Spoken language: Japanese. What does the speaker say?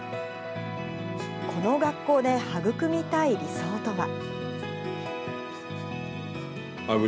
この学校で育みたい理想とは。